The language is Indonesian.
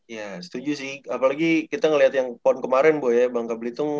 ya setuju sih apalagi kita ngeliat yang pon kemarin bu ya bangka belitung